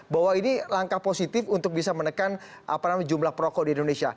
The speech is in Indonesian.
bahwa ini langkah positif untuk bisa menekan jumlah perokok di indonesia